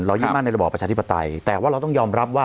ยึดมั่นในระบอบประชาธิปไตยแต่ว่าเราต้องยอมรับว่า